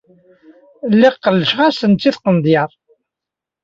Lliɣ qellceɣ-asent i tqendyar.